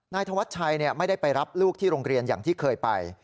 ธวัชชัยไม่ได้ไปรับลูกที่โรงเรียนอย่างที่เคยไป